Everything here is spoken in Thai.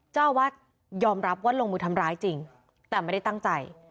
เจ้าอาวาสยอมรับว่าลงมือทำร้ายจริงแต่ไม่ได้ตั้งใจ